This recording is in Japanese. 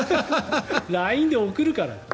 ＬＩＮＥで送るから。